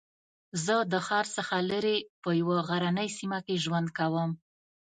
زه د ښار څخه لرې په یوه غرنۍ سېمه کې ژوند کوم